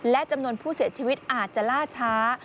และจำนวนผู้เสียชีวิตอาจจะล่าช้า